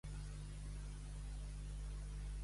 Que és bo en Meu, per ase que sia!